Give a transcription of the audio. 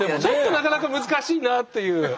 ちょっとなかなか難しいなという。